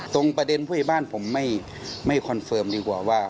ประเด็นผู้ใหญ่บ้านผมไม่คอนเฟิร์มดีกว่าว่า